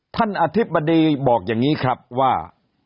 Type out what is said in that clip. อธิบดีบอกอย่างนี้ครับว่า